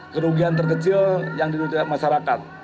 kerugian terkecil yang dirugikan masyarakat